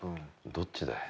どっちだい？